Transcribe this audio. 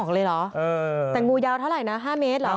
เลยเหรอแต่งูยาวเท่าไหร่นะ๕เมตรเหรอ